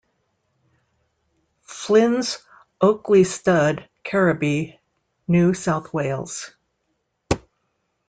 Flynn's Oakleigh Stud, Kerrabee, New South Wales.